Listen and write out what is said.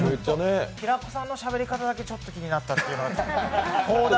平子さんのしゃべり方だけちょっと気になったというか。